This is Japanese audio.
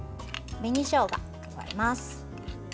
紅しょうが、加えます。